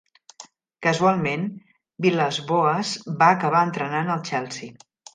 Casualment, Villas-Boas va acabar entrenant el Chelsea.